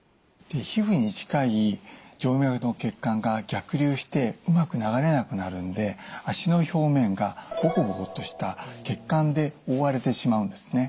皮膚に近い静脈の血管が逆流してうまく流れなくなるんで脚の表面がボコボコとした血管で覆われてしまうんですね。